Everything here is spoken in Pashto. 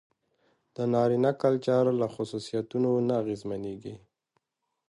د نارينه کلچر له خصوصيتونو نه اغېزمنېږي.